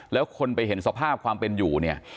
แล้วคนไปเห็นสภาพความเป็นอยู่เนี่ย